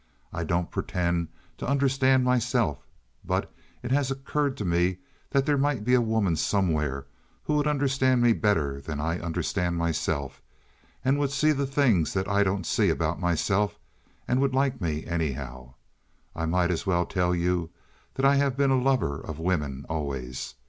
I don't pretend to understand myself, but it has occurred to me that there might be a woman somewhere who would understand me better than I understand myself, who would see the things that I don't see about myself, and would like me, anyhow. I might as well tell you that I have been a lover of women always.